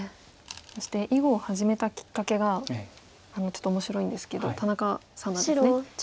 そして囲碁を始めたきっかけがちょっと面白いんですけど田中三段ですね。